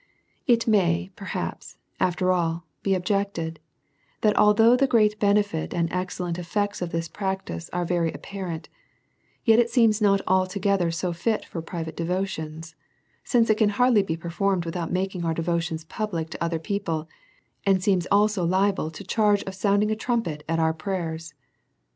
It may perhaps after ail be objected, that although the great benefit, and excellent effects of this prac tice, are very apparent, yet it seems not altogether so fit for private devotions ; since it can hardly be per formed without making our devotions public to other people, and seems also liable to the charge of sound ing a trumpet at our prayers.